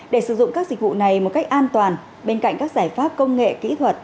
để sử dụng các dịch vụ này một cách an toàn bên cạnh các giải pháp công nghệ kỹ thuật